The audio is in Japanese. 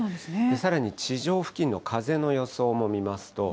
さらに地上付近の風の予想も見ますと。